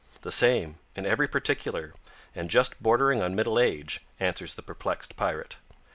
"The same, in every particular and just bordering on middle age," answers the perplexed pirate.